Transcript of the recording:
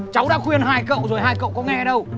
cháu đã khuyên hai cậu rồi hai cậu có nghe đâu